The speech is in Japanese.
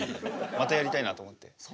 またやりたいなと思っててさ。